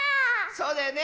そうだよね！